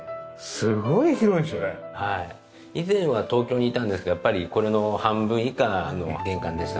以前は東京にいたんですけどやっぱりこれの半分以下の玄関でしたね。